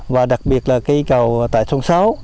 và đặc biệt là cây cầu tại sông sáu